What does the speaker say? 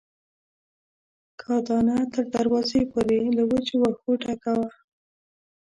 کاه دانه تر دروازې پورې له وچو وښو ډکه وه.